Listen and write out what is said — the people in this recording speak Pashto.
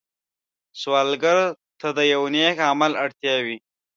سوالګر ته د یو نېک عمل اړتیا وي